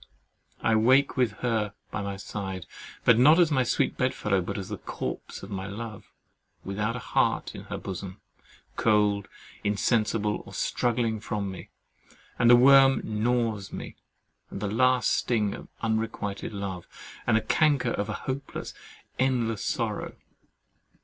I wake with her by my side, not as my sweet bedfellow, but as the corpse of my love, without a heart in her bosom, cold, insensible, or struggling from me; and the worm gnaws me, and the sting of unrequited love, and the canker of a hopeless, endless sorrow.